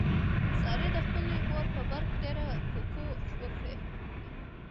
سارې د خپلې مور په مرګ ډېرې کوکې وکړلې.